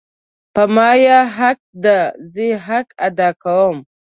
په ما یی حق ده زه حق ادا کوم